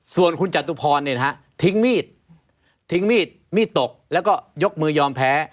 ส่วนคุณจตุพรทิ้งมีดทิ้งมีดมีดตกแล้วก็ยกมือยอมแพ้